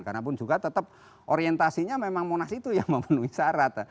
karena pun juga tetap orientasinya memang monas itu yang memenuhi syarat